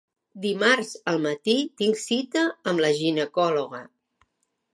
Dimarts al matí tinc cita amb la ginecòloga.